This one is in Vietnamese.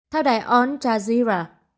theo đài on chazira